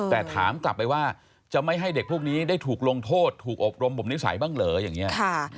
แต่ถามกลับไปว่าจะไม่ให้เด็กพวกนี้ได้ถูกโรงโทษถูกอบรมบำนิสัยบั้งเหลือ